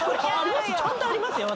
ちゃんとありますよ。